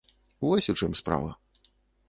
Вось у чым справа.